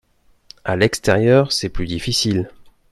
À l’extérieur, c’est plus difficile